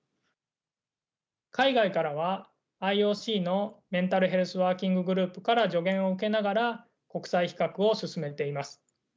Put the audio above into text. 海外からはＩＯＣのメンタルヘルスワーキンググループから助言を受けながら国際比較を進めています。